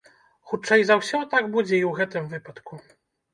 Хутчэй за ўсё, так будзе і ў гэтым выпадку.